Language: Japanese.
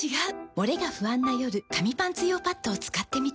モレが不安な夜紙パンツ用パッドを使ってみた。